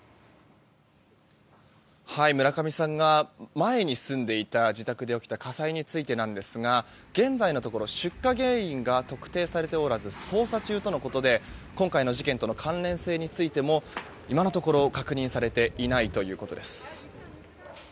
村上さんが前に住んでいた自宅で起きた火災についてなんですが現在のところ出火原因が特定されておらず捜査中とのことで今回の事件との関連性についても今のところ確認されていないということです。